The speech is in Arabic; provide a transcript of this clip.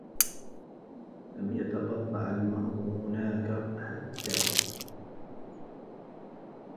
لم يتبضّع المرأ هناك حتّى؟